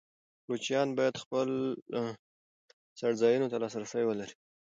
کوچیان باید خپل څړځایونو ته لاسرسی ولري.